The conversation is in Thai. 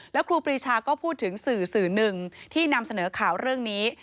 แล้วครูปรีชาก็พูดถึงสื่อสื่อหนึ่งที่นำเสนอข่าวเรื่องนี้